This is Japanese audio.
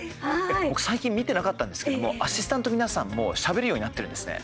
僕、最近見てなかったんですけどアシスタントの皆さんもしゃべるようになってるんですね。